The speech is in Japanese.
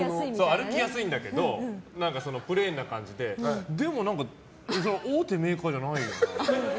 歩きやすいんだけどプレーンな感じででも大手メーカーじゃないよなって。